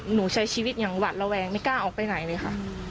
หนูใช้ชีวิตอย่างหวัดระแวงไม่กล้าออกไปไหนเลยค่ะ